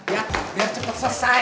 ya biar cepet selesai